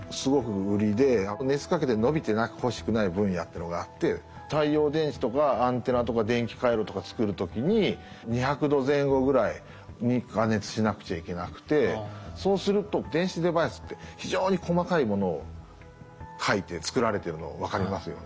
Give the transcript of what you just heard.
当初はやっぱりってのがあって太陽電池とかアンテナとか電気回路とか作る時に２００度前後ぐらいに加熱しなくちゃいけなくてそうすると電子デバイスって非常に細かいものを書いて作られてるの分かりますよね。